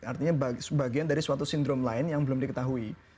artinya sebagian dari suatu sindrom lain yang belum diketahui